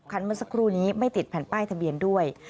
เมื่อสักครู่นี้ไม่ติดแผ่นป้ายทะเบียนด้วย